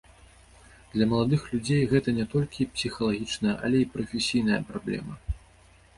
Для маладых людзей гэта не толькі псіхалагічная, але і прафесійная праблема.